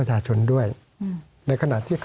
สวัสดีครับทุกคน